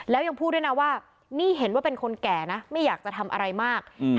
แล้วยังพูดด้วยนะว่านี่เห็นว่าเป็นคนแก่นะไม่อยากจะทำอะไรมาก